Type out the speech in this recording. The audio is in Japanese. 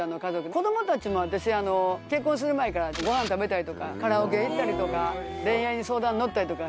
子供たちも結婚する前からご飯食べたりカラオケ行ったりとか恋愛の相談乗ったりとか。